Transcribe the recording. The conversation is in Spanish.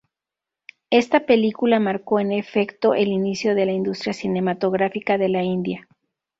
Esta película marcó en efecto el inicio de la industria cinematográfica de la India.